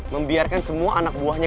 membiarkan semua anak buahnya